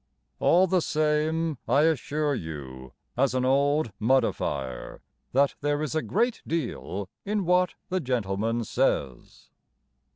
All the same, I assure you As an old muddifier That there is a great deal in what the gentleman says.